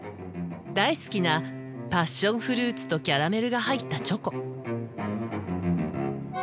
大好きなパッションフルーツとキャラメルが入ったチョコ。